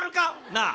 なあ？